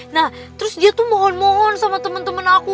nah terus dia tuh mohon mohon sama teman teman aku